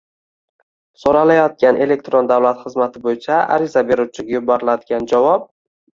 So‘ralayotgan elektron davlat xizmati bo‘yicha ariza beruvchiga yuboriladigan javob